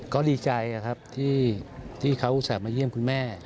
ก็ดีใจที่เขาสามารถเยี่ยมคุณแม่